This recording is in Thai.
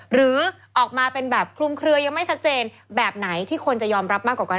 หรือออกมาเป็นแบบคลุมเคลือยังไม่ชัดเจนแบบไหนที่คนจะยอมรับมากกว่ากัน